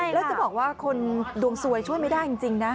แล้วจะบอกว่าคนดวงสวยช่วยไม่ได้จริงนะ